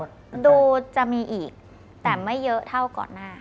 ดูจะมีอีกแต่ไม่เยอะเท่าก่อนหน้า